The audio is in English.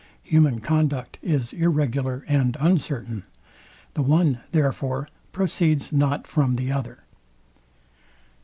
Human conduct is irregular and uncertain. The one, therefore, proceeds not from the other.